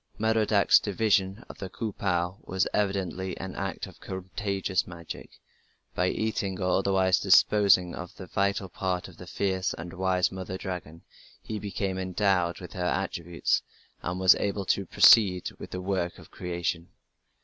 Merodach's division of the "Ku pu" was evidently an act of contagious magic; by eating or otherwise disposing of the vital part of the fierce and wise mother dragon, he became endowed with her attributes, and was able to proceed with the work of creation.